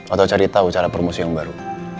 atau cari tahu cara promosi yang baru